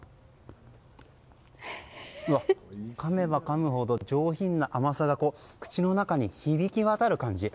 かめばかむほど、上品な甘さが口の中に響き渡る感じ。